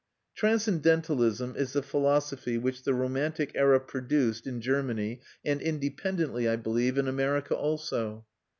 Transcendentalism is the philosophy which the romantic era produced in Germany, and independently, I believe, in America also.